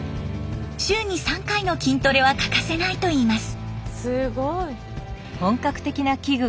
週に３回の筋トレは欠かせないといいます。